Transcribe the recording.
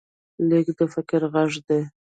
لیک د فکر غږ دی.